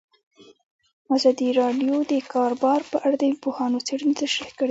ازادي راډیو د د کار بازار په اړه د پوهانو څېړنې تشریح کړې.